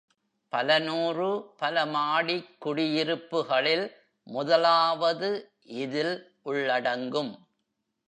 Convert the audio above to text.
பல நூறு பல மாடிக் குடியிருப்புகளில், முதலாவது இதில் உள்ளடங்கும்.